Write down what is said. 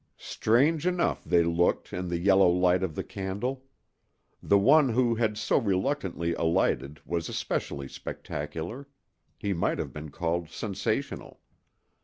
Strange enough they looked in the yellow light of the candle. The one who had so reluctantly alighted was especially spectacular—he might have been called sensational.